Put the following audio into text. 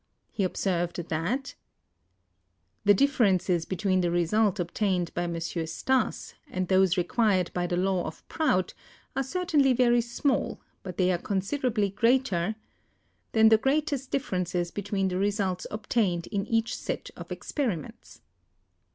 He observed that "... the differences between the results obtained by M. Stas and those required by the law of Prout are certainly very small, but they are consid erably greater ... than the greatest differences be tween the results obtained in each set of experiments."